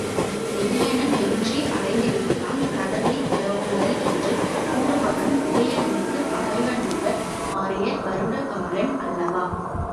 உதயணன் வெற்றி அடைந்துவிட்டான் கதவைத் திறவுங்கள் என்று கூறுபவன், உதயணனுக்குப் பகைவனாக மாறிய வருடகாரன் அல்லவா?